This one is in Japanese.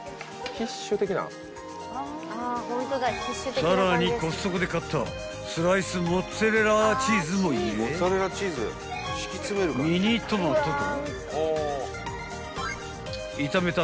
［さらにコストコで買ったスライスモッツァレラチーズも入れミニトマトと］